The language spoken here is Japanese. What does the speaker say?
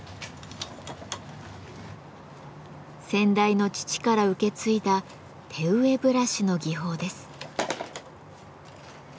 先代の父から受け継いだ「手植えブラシ」の技法です。